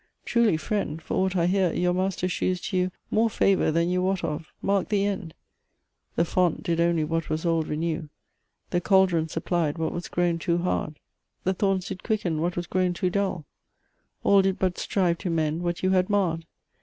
"Truly, Friend, "For aught I hear, your Master shews to you "More favour than you wot of. Mark the end. "The font did only what was old renew "The caldron suppled what was grown too hard: "The thorns did quicken what was grown too dull: "All did but strive to mend what you had marr'd.